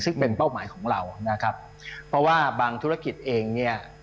ซึ่งเป็นเป้าหมายของเรานะครับเพราะว่าบางธุรกิจเองเนี่ย